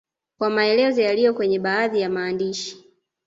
kwa maelezo yaliyo kwenye baadhi ya maandishi